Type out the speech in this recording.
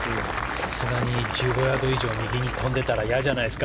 さすがに１５ヤード以上右に飛んでたらいやじゃないですか？